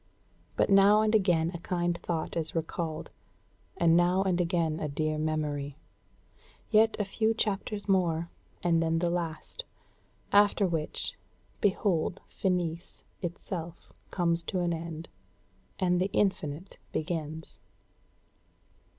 But now and again a kind thought is recalled, and now and again a dear memory. Yet a few chapters more, and then the last; after which, behold Finis itself comes to an end, and the Infinite begins."